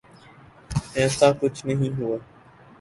ایساکچھ نہیں ہوا۔